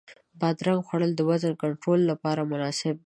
بادرنګ خوړل د وزن کنټرول لپاره مناسب دی.